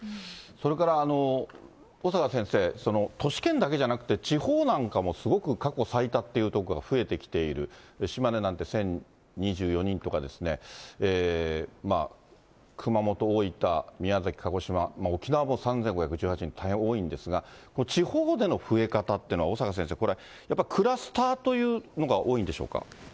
それから、小坂先生、都市圏だけじゃなくて、地方なんかもすごく、過去最多という所が増えてきている、島根なんて１０２４人とか、熊本、大分、宮崎、鹿児島、沖縄も３５１８人、大変多いんですが、地方での増え方っていうのは、小坂先生、これ、やっぱクラスターというのが多いんでしょうか。